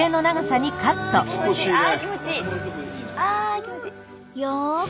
気持ちいい！